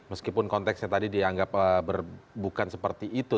meskipun konteksnya tadi dianggap bukan seperti itu